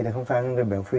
thì không phải người bèo phi